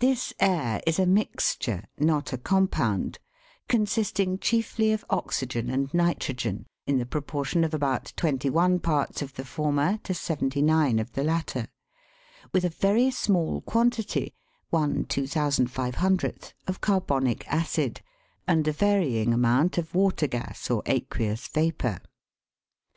This air is a mixture, not a compound, consisting chiefly of oxygen and nitrogen, in the proportion of about twenty one parts of the former to seventy nine of the latter, with a very small quantity ( g gVo) of carbonic acid, and a varying amount of water gas, or aqueous vapour.